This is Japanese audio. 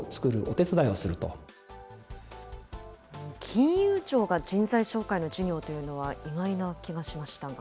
金融庁が人材紹介の事業というのは、意外な気がしましたが。